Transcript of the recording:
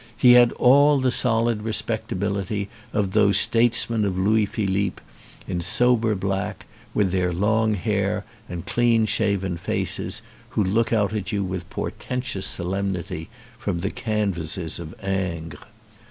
He had all the solid respectability of those states men of Louis Philippe, in sober black, with their long hair and clean shaven faces, who look out at you with portentous solemnity from the canvases of Ingres.